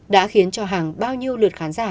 đã khiến cho hàng bao nhiêu lượt khán giả